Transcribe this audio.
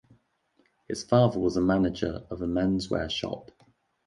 His father was a manager of a menswear shop.